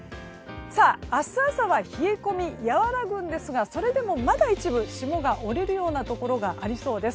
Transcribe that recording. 明日朝は冷え込みが和らぐんですがそれでもまだ一部霜が下りるようなところがありそうです。